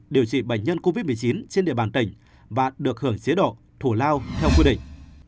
điều trị bệnh nhân covid một mươi chín trên địa bàn tỉnh và được hưởng chế độ thủ lao theo quy định